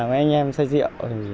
mấy anh em xây rượu